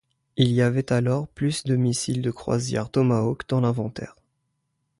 Il y avait alors plus de missiles de croisière Tomahawk dans l'inventaire.